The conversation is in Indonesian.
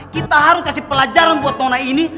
kita harus kasih pelajaran buat tona ini